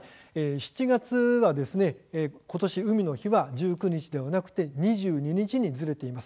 ７月、ことしは海の日は１９日ではなく２２日にされています。